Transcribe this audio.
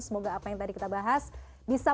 semoga apa yang tadi kita bahas bisa